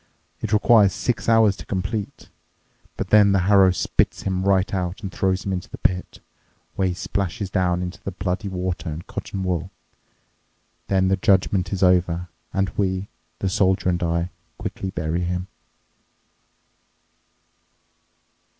It requires six hours to complete. But then the harrow spits him right out and throws him into the pit, where he splashes down into the bloody water and cotton wool. Then the judgment is over, and we, the soldier and I, quickly bury him."